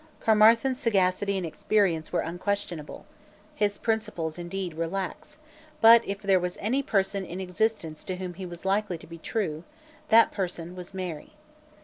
Caermarthen's sagacity and experience were unquestionable; his principles, indeed, were lax; but, if there was any person in existence to whom he was likely to be true, that person was Mary.